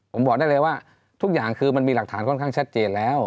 ผมบอกได้เลยว่าทุกอย่างคือมันมีหลักฐานค่อนข้างชัดเจนแล้ว